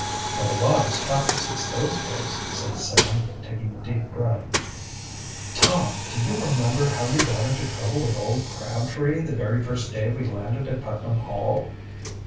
"What a lot has happened since those days," said Sam, taking a deep breath. "Tom, do you remember how you got into trouble with old Crabtree the very first day we landed at Putnam Hall?"